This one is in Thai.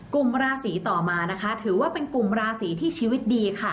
กลุ่มราศีต่อมานะคะถือว่าเป็นกลุ่มราศีที่ชีวิตดีค่ะ